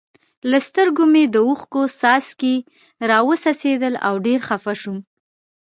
له سترګو مې د اوښکو څاڅکي را و څڅېدل او ډېر خپه شوم.